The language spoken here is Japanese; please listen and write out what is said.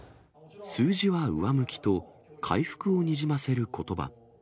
数字は上向きと、回復をにじませることば。